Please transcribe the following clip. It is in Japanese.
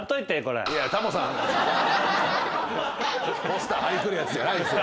ポスターはりにくるやつじゃないです。